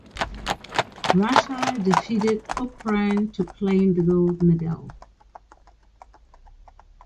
Russia defeated Ukraine to claim the gold medal.